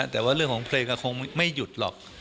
แต่ว่าเรื่องของเพลงก็คงไม่หยุดหรอก